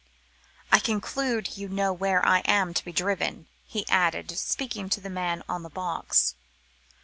"I conclude you know where I am to be driven," he added, speaking to the man on the box.